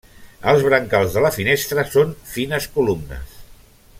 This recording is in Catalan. Els brancals de la finestra són fines columnes.